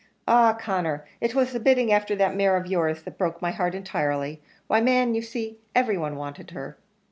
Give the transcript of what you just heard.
Ah! Conner, it was the bidding afther that mare of your's that broke my heart entirely why, man, you see, every one wanted her."